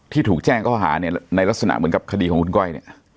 ถูกแจ้งข้อหาเนี่ยในลักษณะเหมือนกับคดีของคุณก้อยเนี่ย